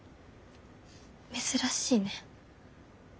珍しいね。